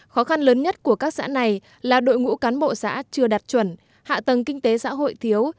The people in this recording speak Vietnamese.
khó khăn lớn nhất của các xã này là đội ngũ cán bộ xã chưa đạt chuẩn hạ tầng kinh tế xã hội thiếu